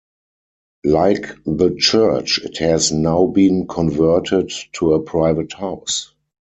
Like the church, it has now been converted to a private house.